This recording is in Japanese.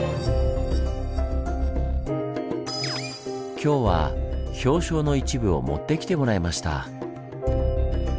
今日は氷床の一部を持ってきてもらいました！